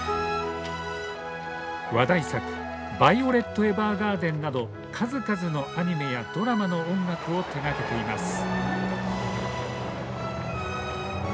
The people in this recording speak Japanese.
話題作「ヴァイオレット・エヴァーガーデン」など数々のアニメやドラマの音楽を手がけています。